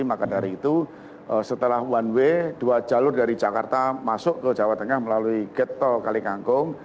maka dari itu setelah one way dua jalur dari jakarta masuk ke jawa tengah melalui getol kalikangkung